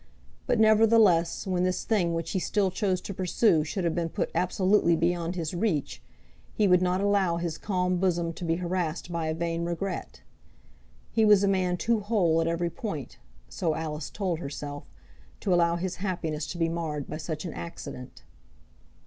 But, nevertheless, when this thing which he still chose to pursue should have been put absolutely beyond his reach, he would not allow his calm bosom to be harassed by a vain regret. He was a man too whole at every point, so Alice told herself, to allow his happiness to be marred by such an accident.